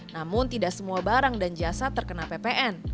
namun tidak semua barang dan jasa terkena ppn